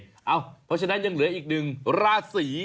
เพราะฉะนั้นยังเหลืออีกหนึ่งราศี